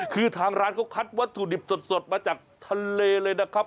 คือทางร้านเขาคัดวัตถุดิบสดมาจากทะเลเลยนะครับ